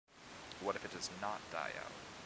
What if it does not die out?